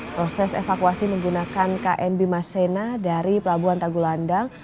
proses evakuasi menggunakan knb masena dari pelabuhan tagulandang